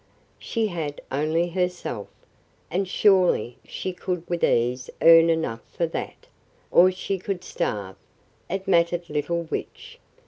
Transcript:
She had only herself; and surely she could with ease earn enough for that; or she could starve; it mattered little which.